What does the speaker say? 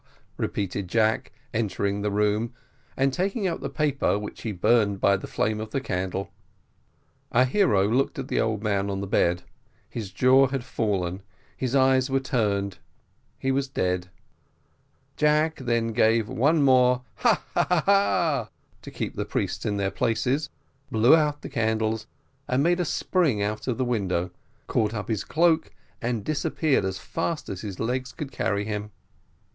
repeated Jack, entering the room, and taking up the paper, which he burned by the flame of the candle. Our hero looked at the old man on the bed; his jaw had fallen, his eyes were turned. He was dead. Jack then gave one more "ha! ha! ha! ha!" to keep the priests in their places, blew out the candles, made a spring out of the window, caught up his cloak, and disappeared as fast as his legs could carry him.